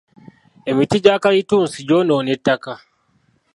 Emiti gya kalitunsi gyonoona ettaka.